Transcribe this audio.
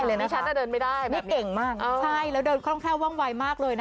ทางชุดทั้งท่าทางการเดิน